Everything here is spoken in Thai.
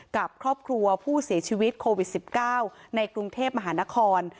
กับครอบครัวผู้เสียชีวิตโควิด๑๙ในกรุงเทพมหานคร